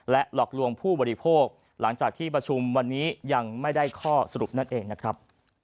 หลอกลวงผู้บริโภคหลังจากที่ประชุมวันนี้ยังไม่ได้ข้อสรุปนั่นเองนะครับ